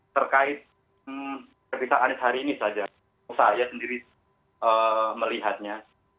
terkait ketika anies hari ini saja saya sendiri melihatnya